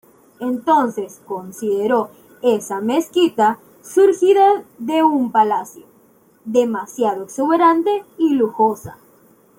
Entonces consideró esa mezquita, surgida de un palacio, demasiado exuberante y lujosa.